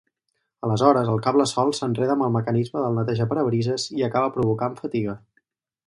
Aleshores el cable solt s'enreda amb el mecanisme del neteja-parabrises i acaba provocant fatiga.